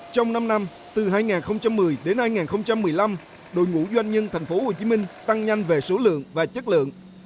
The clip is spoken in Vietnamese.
trong năm năm từ hai nghìn một mươi đến hai nghìn một mươi năm đội ngũ doanh nhân tp hcm tăng nhanh về số lượng và chất lượng